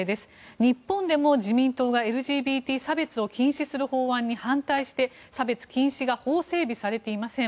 日本でも自民党がＬＧＢＴ差別を禁止する法案に反対して差別禁止が法整備されていません。